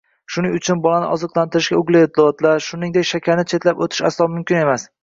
Shuning uchun bolani oziqlantirishda uglevodlar, xususan shakarni chetlab o‘tish aslo mumkin emas.